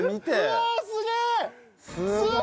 うわすげえ！